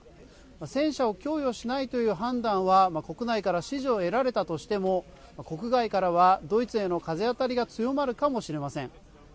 戦車を供与しないという判断は国内から支持を得られたとしても国外からはドイツへの風当たりが強まるかもしれません。